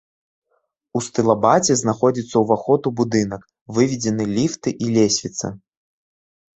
У стылабаце знаходзіцца ўваход у будынак, выведзены ліфты і лесвіца.